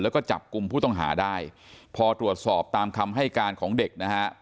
แล้วก็จับกลุ่มผู้ต้องหาได้พอตรวจสอบตามคำให้การของเด็กนะฮะ